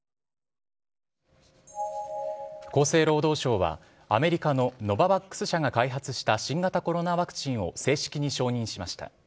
厚生労働省は、アメリカのノババックス社が開発した新型コロナワクチンを正式に承認しました。